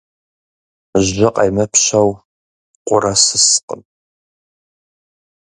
Жьы къемыпщэу къурэ сыскъым.